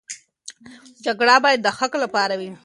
جګړه باید د حق لپاره وي.